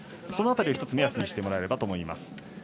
その辺りを１つ目安にしてもらえればと思います。